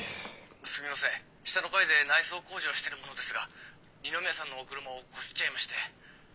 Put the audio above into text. すみません下の階で内装工事をしてる者ですが二宮さんのお車をこすっちゃいまして。